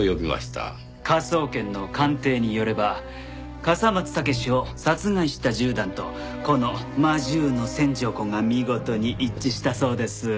科捜研の鑑定によれば笠松剛史を殺害した銃弾とこの魔銃の線条痕が見事に一致したそうです。